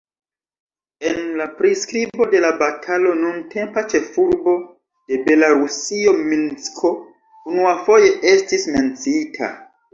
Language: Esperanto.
En la priskribo de la batalo nuntempa ĉefurbo de Belarusio Minsko unuafoje estis menciita.